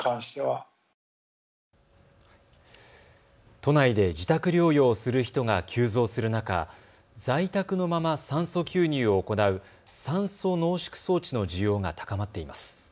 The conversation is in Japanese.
都内で自宅療養をする人が急増する中、在宅のまま酸素吸入を行う酸素濃縮装置の需要が高まっています。